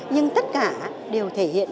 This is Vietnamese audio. nhưng tất cả đều thể hiện